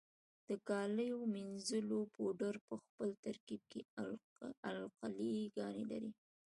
د کالیو منیځلو پوډر په خپل ترکیب کې القلي ګانې لري.